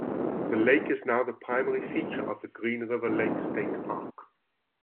The lake is now the primary feature of Green River Lake State Park.